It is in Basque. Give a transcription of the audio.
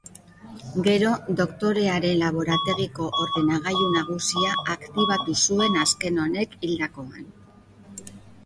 Gero Doktorearen laborategiko ordenagailu nagusia aktibatu zuen azken honek hildakoan.